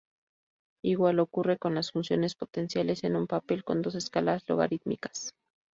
Igual ocurre con las funciones potenciales en un papel con dos escalas logarítmicas.